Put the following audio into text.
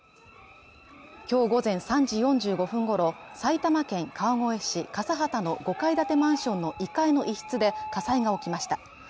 今日午前３時４５分ごろ、埼玉県川越市笠幡の５階建てマンションの１階の一室で火災が起きました。